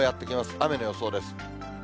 雨の予想です。